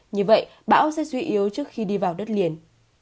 như vậy bão sẽ duy yếu trước khi đi vào đất liền